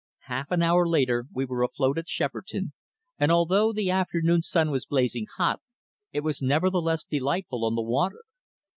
Half an hour later we were afloat at Shepperton, and although the afternoon sun was blazing hot, it was nevertheless delightful on the water.